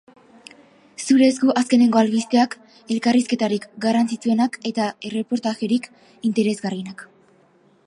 Zure esku azkenengo albisteak, elkarrizketarik garrantzitsuenak eta erreportajerik interesgarrienak.